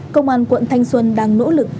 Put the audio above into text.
công an quận thanh xuân đang nỗ lực